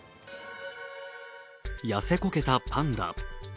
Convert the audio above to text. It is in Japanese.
痩せこけたパンダ。